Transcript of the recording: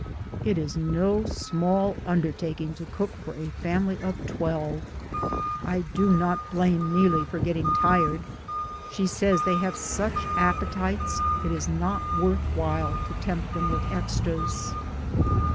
It is no small un dertaking to cook for a family of twelve; I do not blame Neelie for getting tired, she says they have such appetites it is not worth while to tempt them with extras.